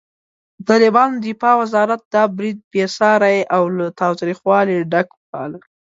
د طالبانو دفاع وزارت دا برید بېساری او له تاوتریخوالي ډک وباله.